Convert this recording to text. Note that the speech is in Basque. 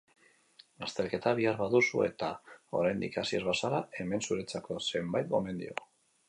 Azterketa bihar baduzu eta oraindik hasi ez bazara, hemen zuretzako zenbait gomendio.